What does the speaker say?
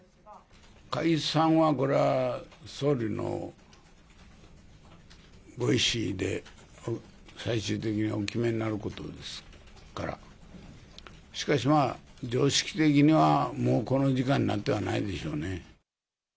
解散はこれは、総理のご意思で最終的にはお決めになることですから、しかしまあ、常識的には、もうこの時間になってはないんでしょうね。